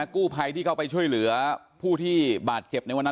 กู้ภัยที่เข้าไปช่วยเหลือผู้ที่บาดเจ็บในวันนั้น